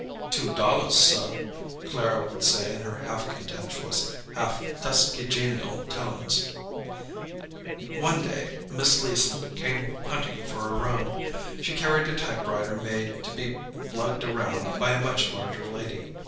"Two dollars, suh," Clara would say in her half contemptuous, half Tuskegeenial tones. One day Miss Leeson came hunting for a room. She carried a typewriter made to be lugged around by a much larger lady.